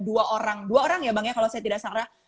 dua orang dua orang ya bang ya kalau saya tidak salah